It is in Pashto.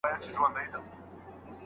ستا لپاره بلېدمه ستا لپاره لمبه خورمه